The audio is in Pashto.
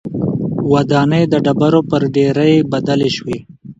ودانۍ د ډبرو پر ډېرۍ بدلې شوې.